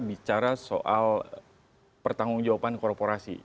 bicara soal pertanggung jawaban korporasi